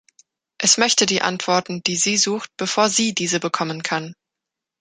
Es möchte die Antworten, die sie sucht, bevor sie diese bekommen kann.